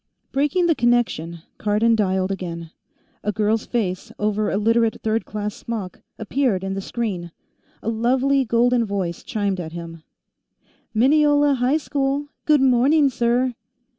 Breaking the connection, Cardon dialed again. A girl's face, over a Literate Third Class smock, appeared in the screen; a lovely golden voice chimed at him: "Mineola High School; good morning, sir."